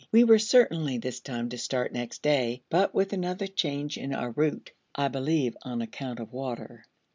We were certainly, this time, to start next day, but with another change in our route, I believe on account of water.